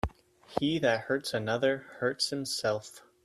He that hurts another, hurts himself.